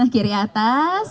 kiri atas kiri atas